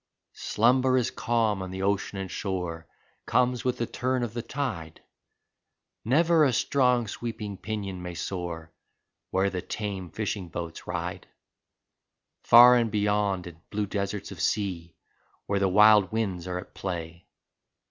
II Slumberous calm on the ocean and shore Comes with the turn of the tide; Never a strong sweeping pinion may soar, Where the tame fishing boats ride! Far and beyond in blue deserts of sea, Where the wild winds are at play.